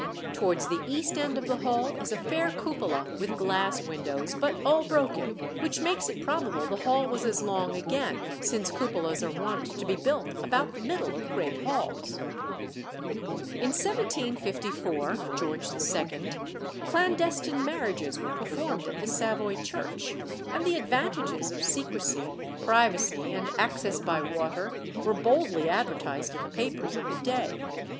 Towards the east end of the hall is a fair cupola with glass windows, but all broken, which makes it probable the hall was as long again, since cupolas are wont to be built about the middle of great halls." In 1754 (George II.) clandestine marriages were performed at the Savoy church; and the advantages of secrecy, privacy, and access by water were boldly advertised in the papers of the day.